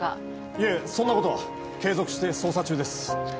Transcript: いえそんなことは継続して捜査中です